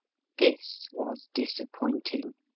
This was disappointing.